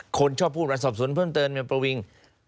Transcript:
คนชอบพูดมาสอบสวนเพิ่มเติมเป็นประวิง